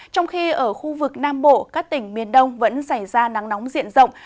trong khi ở khu vực nam bộ các tỉnh miền đông vẫn xảy ra nắng nóng diện rộng